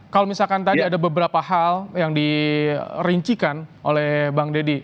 kalau misalkan tadi ada beberapa hal yang dirincikan oleh bang deddy